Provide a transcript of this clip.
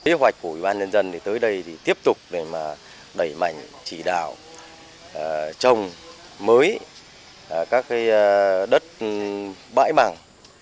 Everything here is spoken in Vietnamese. kế hoạch của ubnd tới đây là tiếp tục đẩy mạnh chỉ đạo trồng mới các đất bãi bằng